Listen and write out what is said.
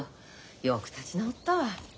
よく立ち直ったわ。